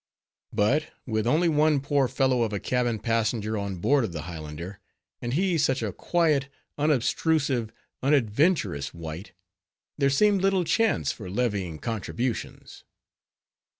But, with only one poor fellow of a cabin passenger on board of the Highlander, and he such a quiet, unobtrusive, unadventurous wight, there seemed little chance for levying contributions.